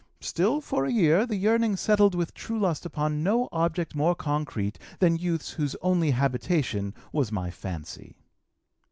Still, for a year, the yearning settled with true lust upon no object more concrete than youths whose only habitation was my fancy.